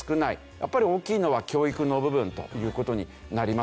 やっぱり大きいのは教育の部分という事になりますよね。